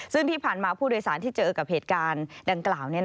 ซึ่งที่ผ่านมาผู้โดยสารที่เจอกับเหตุการณ์ดังกล่าว